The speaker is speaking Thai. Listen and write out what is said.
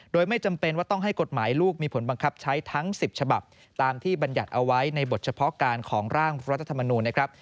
โดยไม่จำเป็นว่าต้องให้กฎหมายลูกมีผลบังคับใช้ทั้ง๑๐ฉบับตามที่บรรยัติเอาไว้ในบทเฉพาะการของร่างรัฐธรรมนูลนะครับ